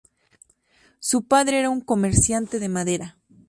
Su padre era un comerciante de madera.